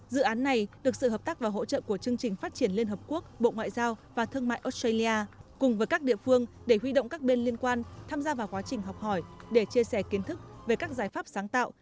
dự án này được sự hợp tác và hỗ trợ của chương trình phát triển liên hợp quốc bộ ngoại giao và thương mại australia cùng với các địa phương để huy động các bên liên quan tham gia vào quá trình học hỏi để chia sẻ kiến thức về các giải pháp sáng tạo